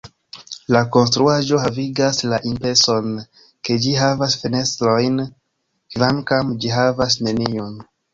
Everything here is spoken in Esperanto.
La konstruaĵo havigas la impreson ke ĝi havas fenestrojn, kvankam ĝi havas neniun.